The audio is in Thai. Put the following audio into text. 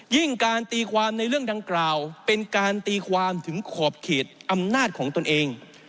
การตีความในเรื่องดังกล่าวเป็นการตีความถึงขอบเขตอำนาจของตนเอง